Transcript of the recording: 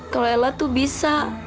kalau ela tuh bisa